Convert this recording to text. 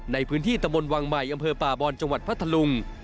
ในพื้นที่ตะบนวังใหม่อำเภอป่าบอนจังหวัดพัทธลุง